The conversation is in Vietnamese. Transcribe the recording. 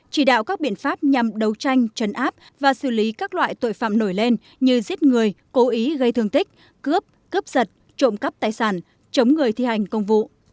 chỉ đạo các biện pháp nhằm đấu tranh chấn áp và xử lý các loại tội phạm nổi lên như giết người cố ý gây thương tích cướp cướp giật trộm cắp tài sản chống người thi hành công vụ